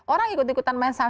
orang ikut ikutan main saham